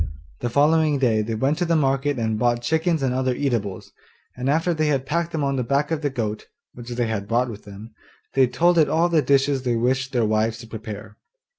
The following day they went to the market and bought chickens and other eatables, and after they had packed them on the back of the goat (which they had brought with them), they told it all the dishes they wished their wives to prepare.